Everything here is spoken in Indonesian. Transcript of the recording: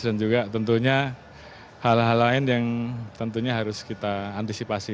juga tentunya hal hal lain yang tentunya harus kita antisipasi